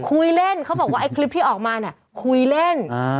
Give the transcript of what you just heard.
คุยเล่นเขาบอกว่าไอ้คลิปที่ออกมาเนี่ยคุยเล่น